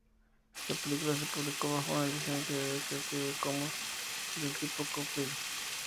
La película se publicó bajo una licencia de Creative Commons del tipo Copyleft.